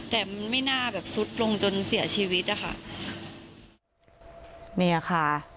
แต่มันไม่น่าแบบสุดลงจนเสียชีวิตอะค่ะเนี่ยค่ะ